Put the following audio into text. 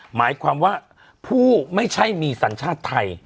หมายความว่าผู้ไม่ใช่มีสัญชาติไทย